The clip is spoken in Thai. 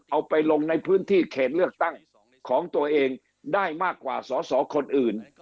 เอาไปลงในพื้นที่เขตเลือกตั้งของตัวเองได้มากกว่าสอสอคนอื่น